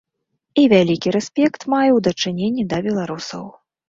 Я вялікі рэспект маю ў дачыненні да беларусаў.